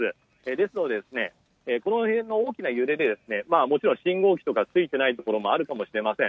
ですので、この辺の大きな揺れで、もちろん信号機がついてないところもあるかもしれません。